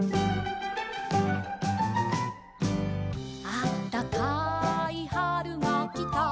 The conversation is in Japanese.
「あったかいはるがきた」